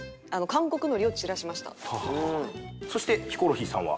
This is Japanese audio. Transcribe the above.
そしてヒコロヒーさんは？